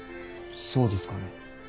そうですかね？